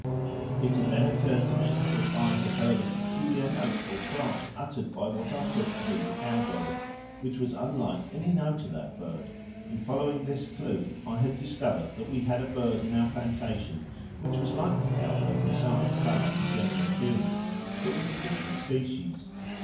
It had then occurred to me that I had heard a peculiar note or cry uttered by what I took to be the cowbird, which was unlike any note of that bird; and following this clue, I had discovered that we had a bird in our plantation which was like the cowbird in size, colour, and general appearance, but was a different species.